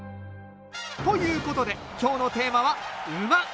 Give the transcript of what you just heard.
ということで今日のテーマは馬！